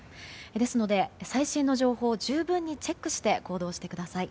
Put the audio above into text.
ですので、最新の情報を十分にチェックして行動してください。